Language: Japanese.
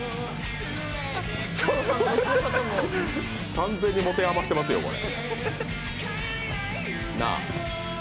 完全に持て余してますよ、これ。